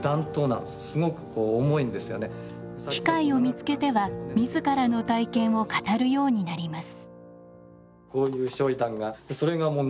機会を見つけては自らの体験を語るようになります。